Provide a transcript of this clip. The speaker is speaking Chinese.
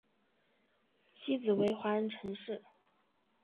妻子为华人陈氏。